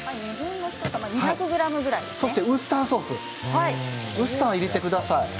そしてウスターソースウスターも入れてください。